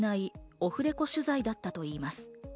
オフレコ取材だったといいます。